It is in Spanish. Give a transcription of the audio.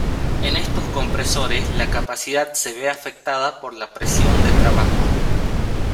En estos compresores la capacidad se ve afectada por la presión de trabajo.